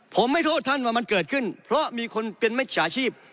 ผมไม่โทษท่านว่ามันเกิดขึ้นเพราะมีคนเป็นมิจฉาชีพ